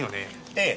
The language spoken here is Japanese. ええ。